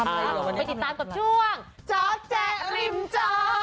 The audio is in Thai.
ไปติดตามกับช่วงจอแจ๊ริมจอ